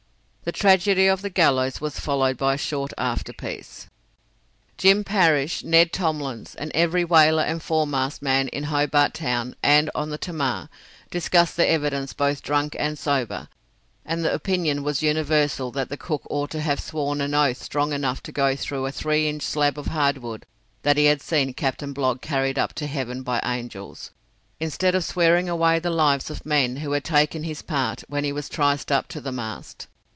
The tragedy of the gallows was followed by a short afterpiece. Jim Parrish, Ned Tomlins, and every whaler and foremast man in Hobart Town and on the Tamar, discussed the evidence both drunk and sober, and the opinion was universal that the cook ought to have sworn an oath strong enough to go through a three inch slab of hardwood that he had seen Captain Blogg carried up to heaven by angels, instead of swearing away the lives of men who had taken his part when he was triced up to the mast.